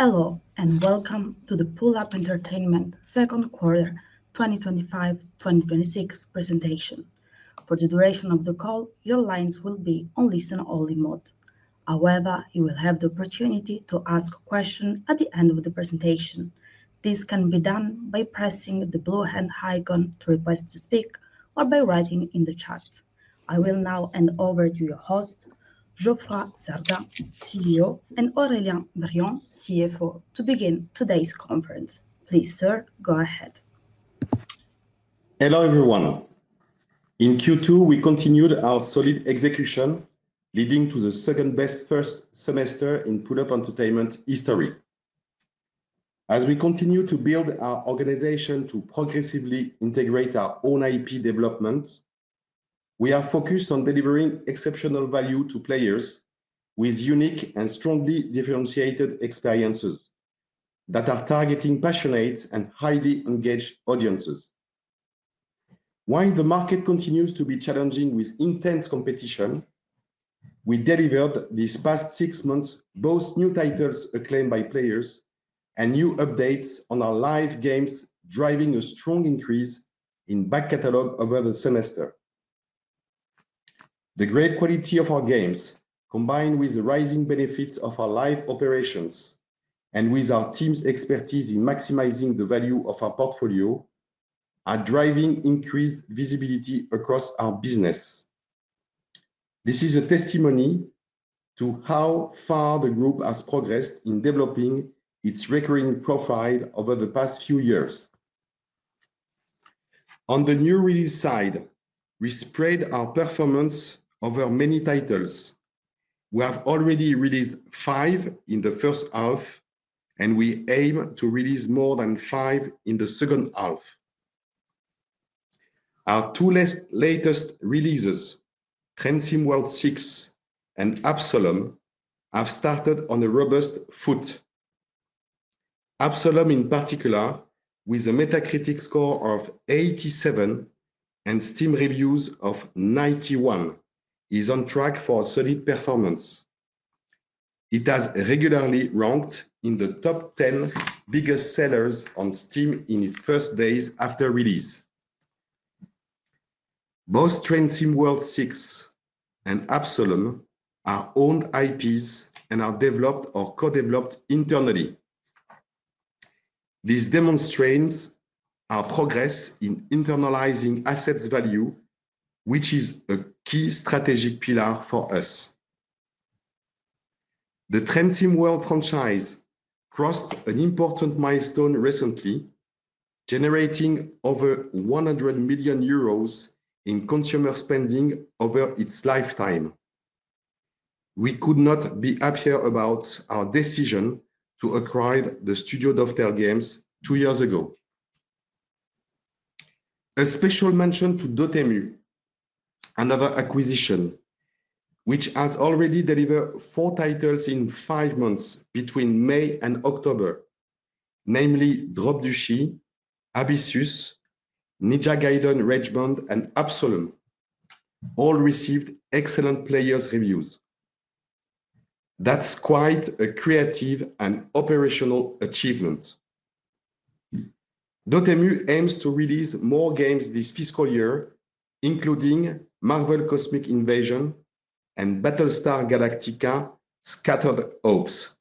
Hello and welcome to the Pullup Entertainment second quarter 2025-2026 presentation. For the duration of the call, your lines will be on listen-only mode. However, you will have the opportunity to ask questions at the end of the presentation. This can be done by pressing the blue hand icon to request to speak or by writing in the chat. I will now hand over to your host, Geoffroy Sardin, CEO, and Aurélien Briand, CFO, to begin today's conference. Please, sir, go ahead. Hello everyone. In Q2, we continued our solid execution, leading to the second-best first semester in Pullup Entertainment history. As we continue to build our organization to progressively integrate our own IP development, we are focused on delivering exceptional value to players with unique and strongly differentiated experiences that are targeting passionate and highly engaged audiences. While the market continues to be challenging with intense competition, we delivered these past six months both new titles acclaimed by players and new updates on our live games, driving a strong increase in the back catalog over the semester. The great quality of our games, combined with the rising benefits of our live operations and with our team's expertise in maximizing the value of our portfolio, are driving increased visibility across our business. This is a testimony to how far the group has progressed in developing its recurring profile over the past few years. On the new release side, we spread our performance over many titles. We have already released five in the first half, and we aim to release more than five in the second half. Our two latest releases, Transcend World 6 and Absolem, have started on a robust foot. Absolem, in particular, with a Metacritic score of 87 and Steam reviews of 91, is on track for a solid performance. It has regularly ranked in the top 10 biggest sellers on Steam in its first days after release. Both Transcend World 6 and Absolem are owned IPs and are developed or co-developed internally. This demonstrates our progress in internalizing asset value, which is a key strategic pillar for us. The Transcend World franchise crossed an important milestone recently, generating over 100 million euros in consumer spending over its lifetime. We could not be happier about our decision to acquire the studio DofTer Games two years ago. A special mention to Dotemu, another acquisition, which has already delivered four titles in five months between May and October, namely Drop Duchy, Abyssus, Ninja Gaiden: RageBond, and Absolem, all receiving excellent players' reviews. That's quite a creative and operational achievement. Dotemu aims to release more games this fiscal year, including Marvel: Cosmic Invasion and Battlestar Galactica: Scattered Hopes.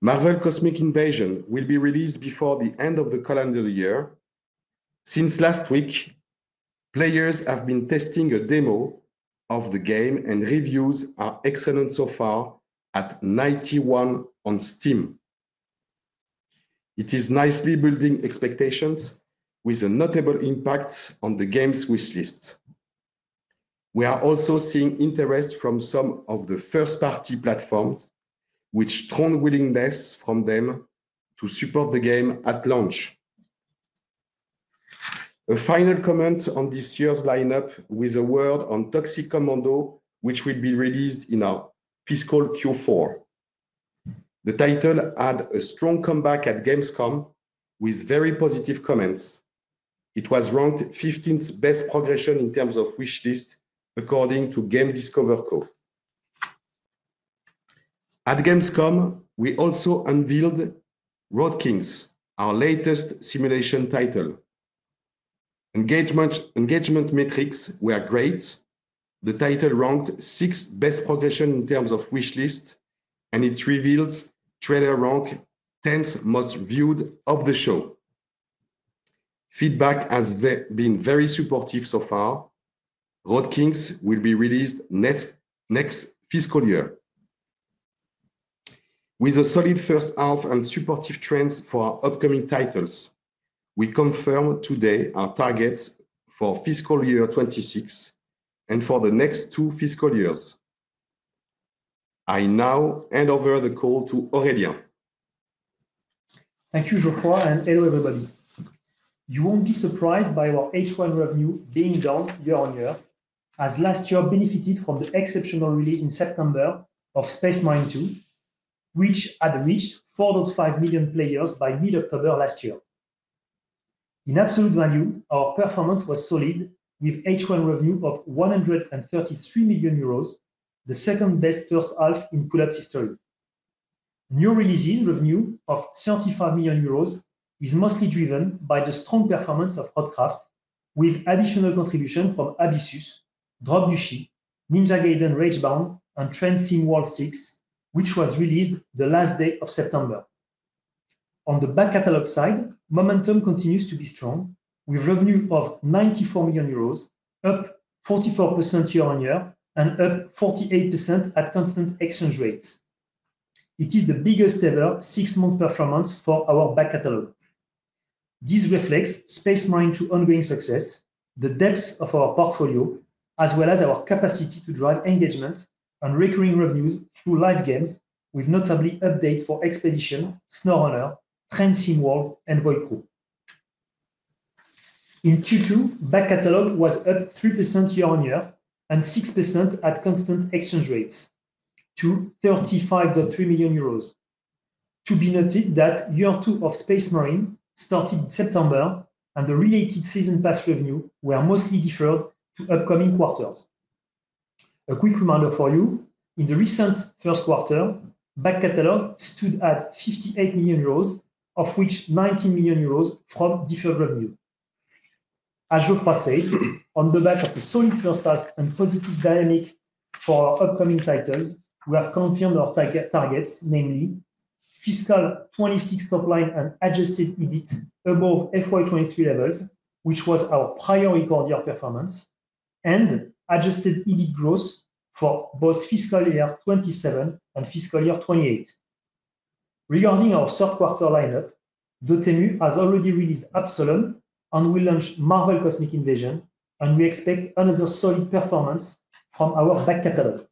Marvel: Cosmic Invasion will be released before the end of the calendar year. Since last week, players have been testing a demo of the game, and reviews are excellent so far at 91 on Steam. It is nicely building expectations with a notable impact on the game's wish list. We are also seeing interest from some of the first-party platforms, which shows willingness from them to support the game at launch. A final comment on this year's lineup with a word on Toxic Commando, which will be released in our fiscal Q4. The title had a strong comeback at Gamescom with very positive comments. It was ranked 15th best progression in terms of wish list, according to GameDiscoverCo. At Gamescom, we also unveiled Road Kings, our latest simulation title. Engagement metrics were great. The title ranked sixth best progression in terms of wish list, and its reveal trailer ranked 10th most viewed of the show. Feedback has been very supportive so far. Road Kings will be released next fiscal year. With a solid first half and supportive trends for our upcoming titles, we confirm today our targets for fiscal year 2026 and for the next two fiscal years. I now hand over the call to Aurélien. Thank you, Geoffroy, and hello everybody. You won't be surprised by our H1 revenue being down year-on-year, as last year benefited from the exceptional release in September of Space Marine 2, which had reached 4.5 million players by mid-October last year. In absolute value, our performance was solid, with H1 revenue of 133 million euros, the second-best first half in Pullup's history. New releases' revenue of 35 million euros is mostly driven by the strong performance of Roadcraft, with additional contributions from Abyssus, Drop Duchy, Ninja Gaiden: RageBond, and Transcend World 6, which was released the last day of September. On the back catalog side, momentum continues to be strong, with revenue of 94 million euros, up 44% year-on-year, and up 48% at constant exchange rates. It is the biggest ever six-month performance for our back catalog. This reflects Space Marine 2's ongoing success, the depth of our portfolio, as well as our capacity to drive engagement and recurring revenues through live games, with notably updates for Expedition, SnowRunner, Transcend World, and Boy Crew. In Q2, back catalog was up 3% year-on-year and 6% at constant exchange rates to 35.3 million euros. To be noted that year two of Space Marine started in September, and the related season pass revenue was mostly deferred to upcoming quarters. A quick reminder for you: in the recent first quarter, back catalog stood at 58 million euros, of which 19 million euros from deferred revenue. As Geoffroy said, on the back of a solid first half and positive dynamic for our upcoming titles, we have confirmed our targets, namely fiscal 2026 top line and adjusted EBIT above FY2023 levels, which was our prior record year performance, and adjusted EBIT growth for both fiscal year 2027 and fiscal year 2028. Regarding our third quarter lineup, Dotemu has already released Absolem and will launch Marvel: Cosmic Invasion, and we expect another solid performance from our back catalog.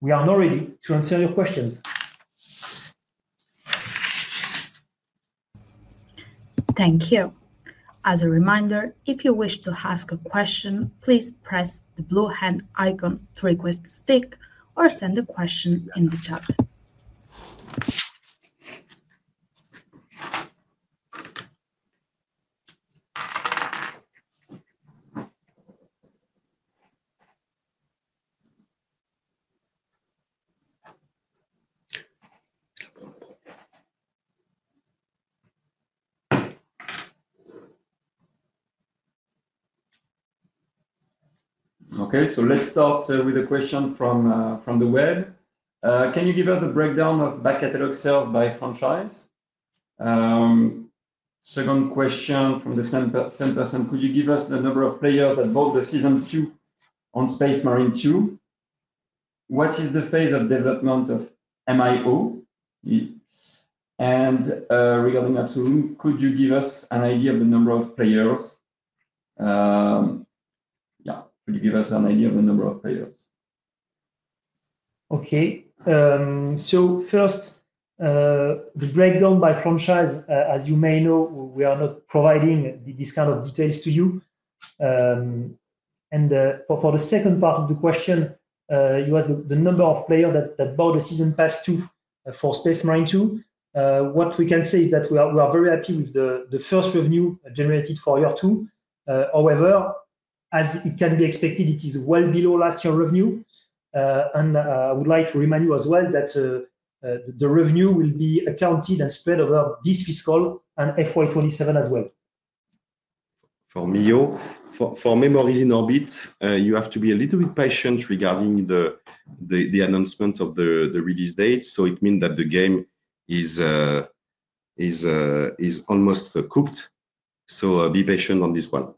We are now ready to answer your questions. Thank you. As a reminder, if you wish to ask a question, please press the blue hand icon to request to speak or send a question in the chat. OK, let's start with a question from the web. Can you give us the breakdown of back catalog sales by franchise? Second question from the same person: could you give us the number of players that bought the season two on Space Marine 2? What is the phase of development of Memories in Orbit? Regarding Absolem, could you give us an idea of the number of players? Could you give us an idea of the number of players? OK, first, the breakdown by franchise, as you may know, we are not providing these kinds of details to you. For the second part of the question, you asked the number of players that bought the season pass for Space Marine 2. What we can say is that we are very happy with the first revenue generated for year two. However, as it can be expected, it is well below last year's revenue. I would like to remind you as well that the revenue will be accounted and spread over this fiscal and FY2027 as well. For Memories in Orbit, you have to be a little bit patient regarding the announcement of the release date. It means that the game is almost cooked, so be patient on this one.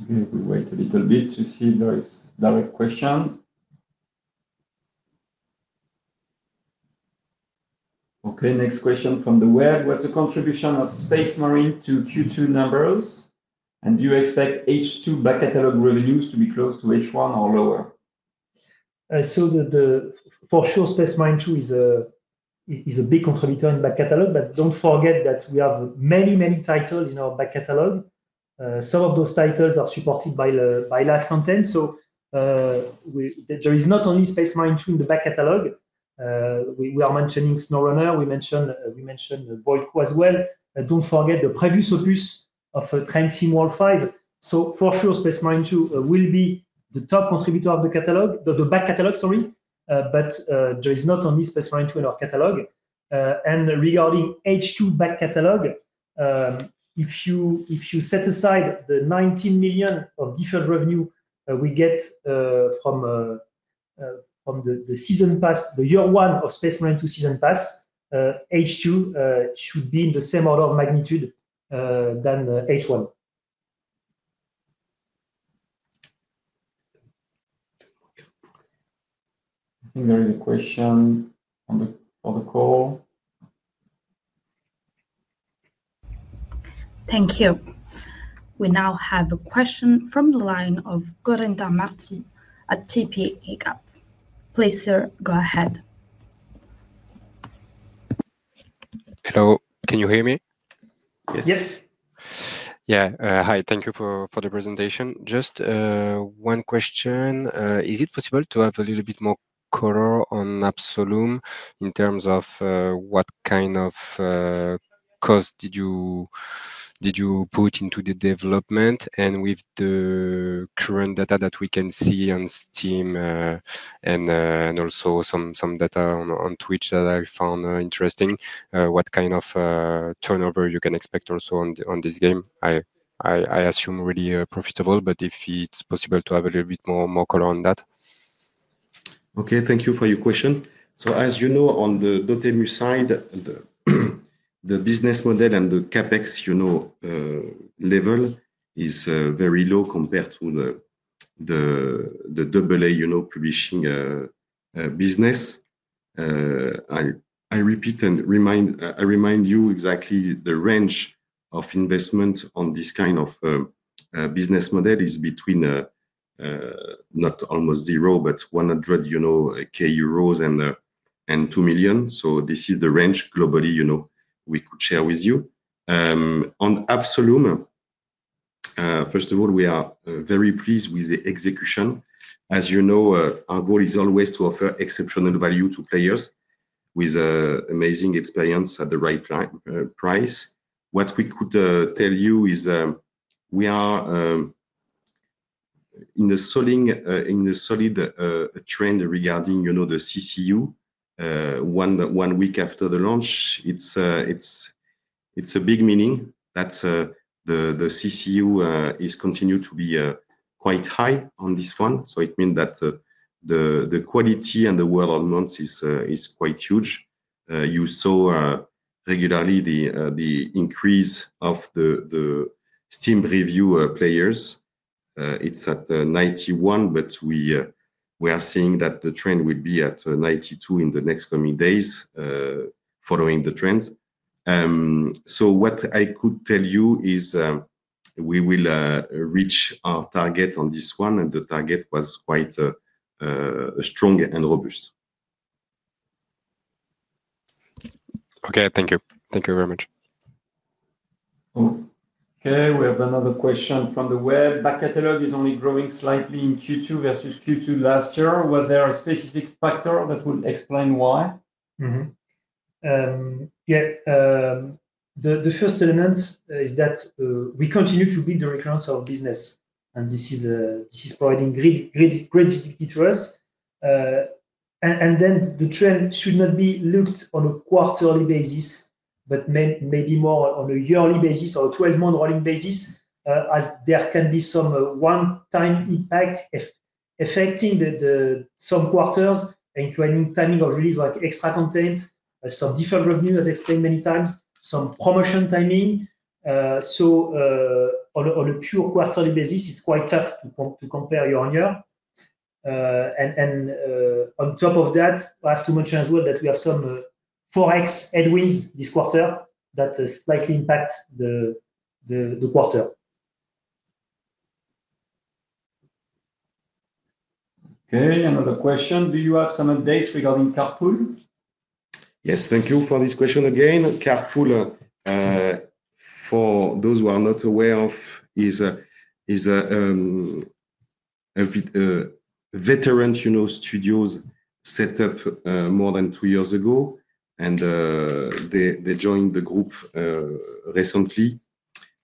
OK, we'll wait a little bit to see if there is a direct question. OK, next question from the web: what's the contribution of Space Marine 2 to Q2 numbers? Do you expect H2 back catalog revenues to be close to H1 or lower? Space Marine 2 is a big contributor in back catalog. Don't forget that we have many, many titles in our back catalog. Some of those titles are supported by live content. There is not only Space Marine 2 in the back catalog. We are mentioning SnowRunner. We mentioned Boy Crew as well. Don't forget the previous opus of Transcend World 5. Space Marine 2 will be the top contributor of the back catalog. Sorry, but there is not only Space Marine 2 in our catalog. Regarding H2 back catalog, if you set aside the 19 million of deferred revenue we get from the season pass, the year one of Space Marine 2 season pass, H2 should be in the same order of magnitude as H1. I think there is a question for the call. Thank you. We now have a question from the line of Gorinda Marti at TPA Gap. Please, sir, go ahead. Hello, can you hear me? Yes. Yes. Yeah, hi. Thank you for the presentation. Just one question. Is it possible to have a little bit more color on Absolem in terms of what kind of cost did you put into the development? With the current data that we can see on Steam and also some data on Twitch that I found interesting, what kind of turnover you can expect also on this game? I assume really profitable, but if it's possible to have a little bit more color on that. OK, thank you for your question. As you know, on the Dotemu side, the business model and the CapEx level is very low compared to the AA publishing business. I repeat and remind you exactly the range of investment on this kind of business model is between not almost zero, but 100,000 euros and 2 million. This is the range globally we could share with you. On Absolem, first of all, we are very pleased with the execution. As you know, our goal is always to offer exceptional value to players with an amazing experience at the right price. What we could tell you is we are in a solid trend regarding the CCU. One week after the launch, it's a big meaning that the CCU is continuing to be quite high on this one. It means that the quality and the world once is quite huge. You saw regularly the increase of the Steam review players. It's at 91%, but we are seeing that the trend will be at 92% in the next coming days following the trends. What I could tell you is we will reach our target on this one, and the target was quite strong and robust. OK, thank you. Thank you very much. OK, we have another question from the web. Back catalog is only growing slightly in Q2 versus Q2 last year. Were there specific factors that would explain why? The first element is that we continue to build the recurrence of our business, and this is providing great visibility to us. The trend should not be looked at on a quarterly basis, but maybe more on a yearly basis or a 12-month rolling basis, as there can be some one-time impact affecting some quarters and timing of release, like extra content, some deferred revenue as explained many times, and some promotion timing. On a pure quarterly basis, it's quite tough to compare year-on year. I have to mention as well that we have some Forex headwinds this quarter that slightly impact the quarter. OK, another question. Do you have some updates regarding Carpool? Yes, thank you for this question again. Carpool, for those who are not aware of, is a veteran studio set up more than two years ago. They joined the group recently.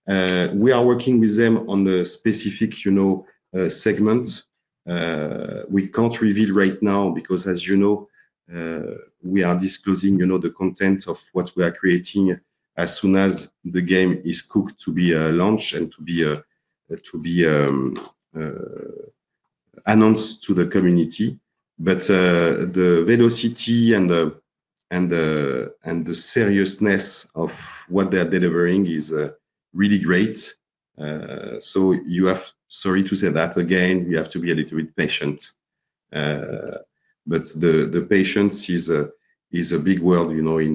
We are working with them on the specific segments. We can't reveal right now because, as you know, we are disclosing the content of what we are creating as soon as the game is cooked to be launched and to be announced to the community. The velocity and the seriousness of what they are delivering is really great. You have to be a little bit patient. Patience is a big word in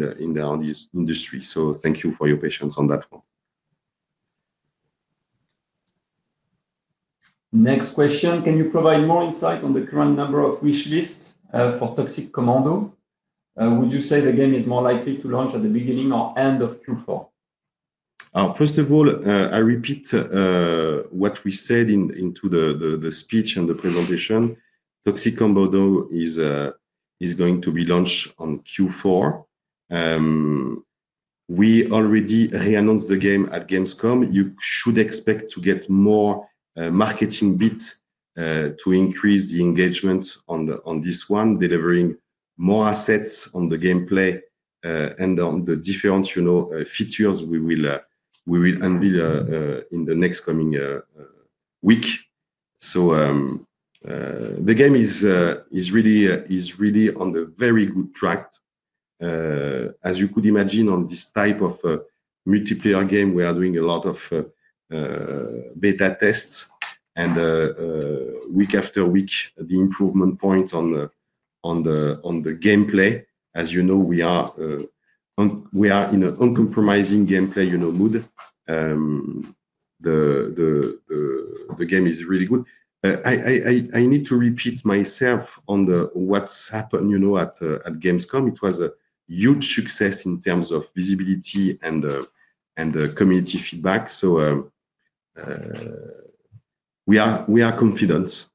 this industry. Thank you for your patience on that one. Next question. Can you provide more insight on the current number of wish lists for Toxic Commando? Would you say the game is more likely to launch at the beginning or end of Q4? First of all, I repeat what we said in the speech and the presentation. Toxic Commando is going to be launched in Q4. We already re-announced the game at Gamescom. You should expect to get more marketing bids to increase the engagement on this one, delivering more assets on the gameplay and on the different features we will unveil in the next coming week. The game is really on a very good track. As you could imagine, on this type of multiplayer game, we are doing a lot of beta tests. Week after week, the improvement points on the gameplay. As you know, we are in an uncompromising gameplay mood. The game is really good. I need to repeat myself on what's happened at Gamescom. It was a huge success in terms of visibility and community feedback. We are confident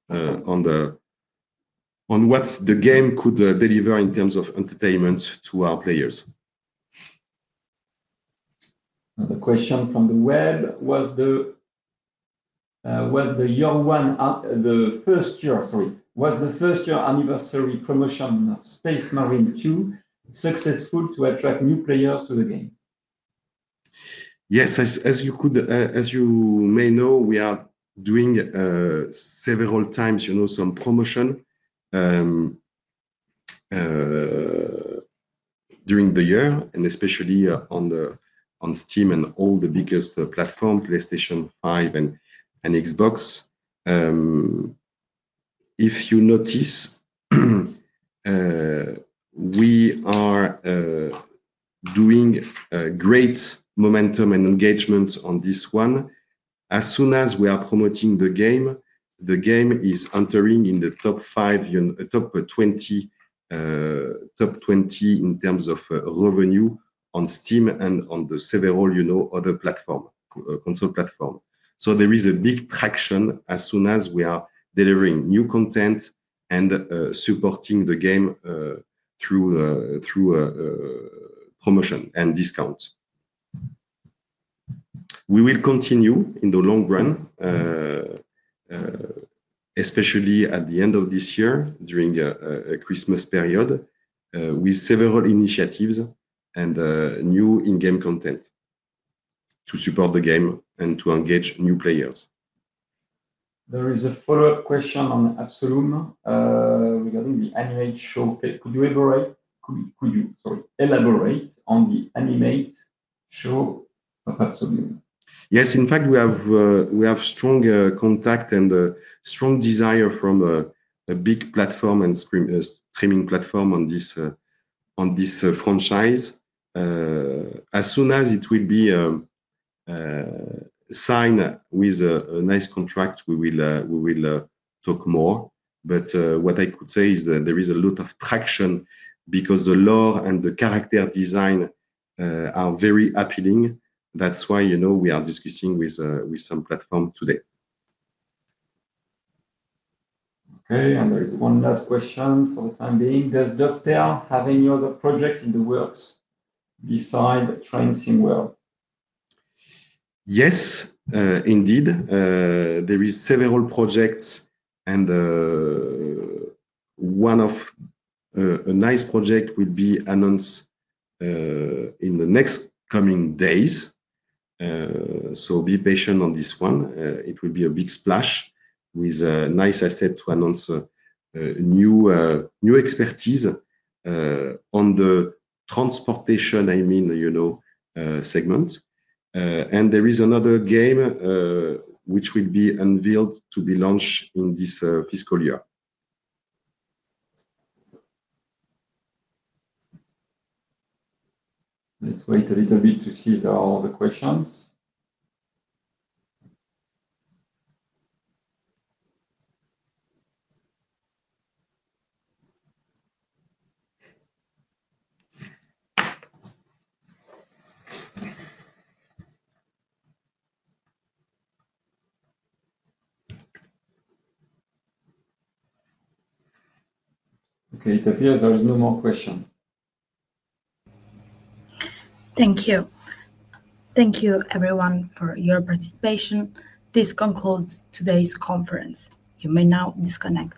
on what the game could deliver in terms of entertainment to our players. Another question from the web. Was the first year anniversary promotion of Space Marine 2 successful to attract new players to the game? Yes, as you may know, we are doing several times some promotion during the year, and especially on Steam and all the biggest platforms, PlayStation 5 and Xbox. If you notice, we are doing great momentum and engagement on this one. As soon as we are promoting the game, the game is entering in the top 20, top 20 in terms of revenue on Steam and on several other platforms, console platforms. There is a big traction as soon as we are delivering new content and supporting the game through promotion and discounts. We will continue in the long run, especially at the end of this year during the Christmas period, with several initiatives and new in-game content to support the game and to engage new players. There is a follow-up question on Absolem regarding the animated show. Could you elaborate on the animated show of Absolem? Yes, in fact, we have strong contact and strong desire from a big platform and streaming platform on this franchise. As soon as it will be signed with a nice contract, we will talk more. What I could say is that there is a lot of traction because the lore and the character design are very appealing. That's why we are discussing with some platforms today. OK, and there is one last question for the time being. Does DofTer have any other projects in the works besides Transcend World? Yes, indeed. There are several projects. A nice project will be announced in the next coming days. Be patient on this one. It will be a big splash with a nice asset to announce new expertise on the transportation segment. There is another game which will be unveiled to be launched in this fiscal year. Let's wait a little bit to see all the questions. OK, it appears there is no more question. Thank you. Thank you, everyone, for your participation. This concludes today's conference. You may now disconnect.